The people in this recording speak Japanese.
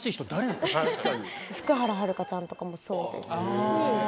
福原遥ちゃんとかもそうですし。